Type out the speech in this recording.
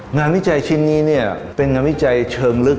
วิจัยชิ้นนี้เนี่ยเป็นงานวิจัยเชิงลึก